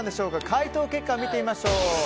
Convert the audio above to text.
回答結果を見てみましょう。